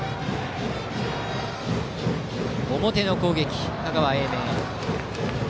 表の攻撃、香川・英明。